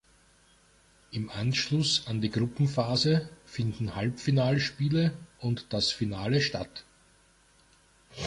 Im Anschluss an die Gruppenphase finden Halbfinalspiele und das Finale statt.